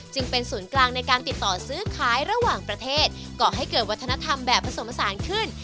เป็นศูนย์กลางในการติดต่อซื้อขายระหว่างประเทศก่อให้เกิดวัฒนธรรมแบบผสมผสานขึ้น